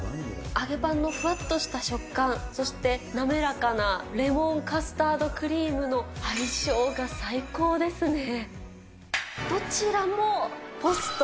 揚げパンのふわっとした食感、そして滑らかなレモンカスタードクリームの相性が最高ですね。